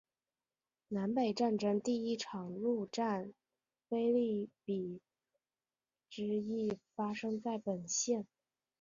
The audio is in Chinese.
南北战争第一场陆战腓立比之役发生在本县。